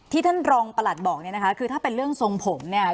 ท่านรองประหลัดบอกเนี่ยนะคะคือถ้าเป็นเรื่องทรงผมเนี่ย